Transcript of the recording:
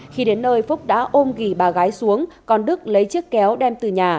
khi đến nơi phúc đã ôm ghi ba gái xuống con đức lấy chiếc kéo đem từ nhà